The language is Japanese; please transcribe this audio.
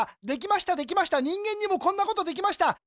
できましたできました人間にもこんなことできました。